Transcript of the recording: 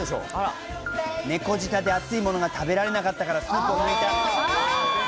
猫舌で熱いものが食べられなかったから、スープを抜いた。